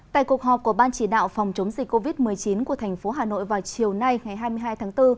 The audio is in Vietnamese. tại cuộc họp của ban chỉ đạo phòng chống dịch covid một mươi chín của thành phố hà nội vào chiều nay ngày hai mươi hai tháng bốn